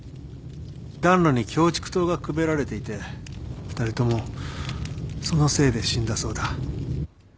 暖炉にキョウチクトウがくべられていて２人ともそのせいで死んだそうだ。